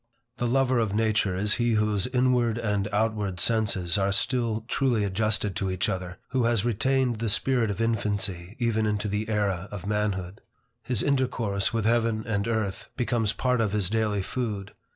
The lover of nature is he whose inward and outward senses are still truly adjusted to each other; who has retained the spirit of infancy even into the era of manhood. His intercourse with heaven and earth, becomes part of his daily food.